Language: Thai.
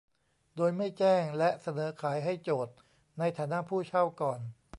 โดยไม่แจ้งและเสนอขายให้โจทก์ในฐานะผู้เช่าก่อน